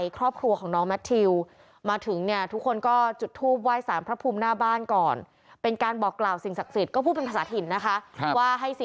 ครับญาติหญาติแล้ว